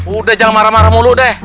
udah jangan marah marah mulu deh